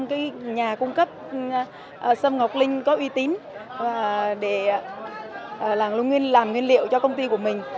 cái nhà cung cấp sâm ngọc linh có uy tín để làm nguyên liệu cho công ty của mình